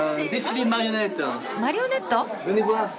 マリオネット？